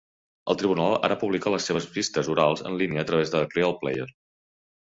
El tribunal ara publica les seves vistes orals en línia a través de RealPlayer.